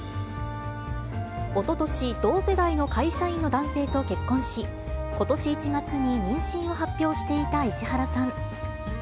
おととし、同世代の会社員の男性と結婚し、ことし１月に妊娠を発表していた石原さん。